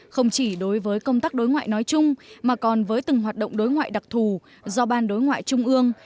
không chỉ đối với công tác đối ngoại nói chung mà còn với từng hoạt động đối ngoại đặc thù do ban đối ngoại trung ương